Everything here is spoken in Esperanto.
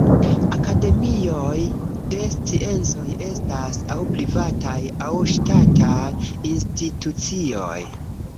Akademioj de Sciencoj estas aŭ privataj aŭ ŝtataj institucioj.